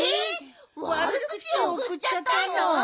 わるくちおくっちゃったの？